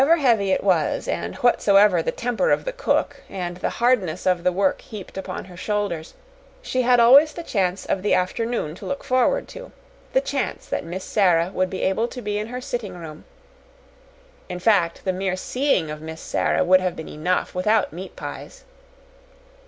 However heavy it was, and whatsoever the temper of the cook, and the hardness of the work heaped upon her shoulders, she had always the chance of the afternoon to look forward to the chance that Miss Sara would be able to be in her sitting room. In fact, the mere seeing of Miss Sara would have been enough without meat pies.